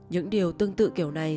những điều tương tự kiểu này